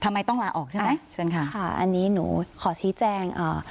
ทำไมต้องลาออกใช่ไหมเชิญค่ะค่ะอันนี้หนูขอชี้แจงอ่า